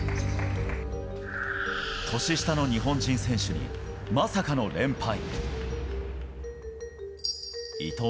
年下の日本人選手にまさかの連敗。